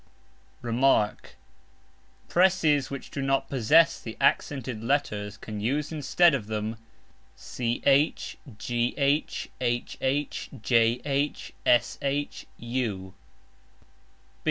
] Remark. Presses which do not possess the accented letters can use instead of them ch, gh, hh, jh, sh, u.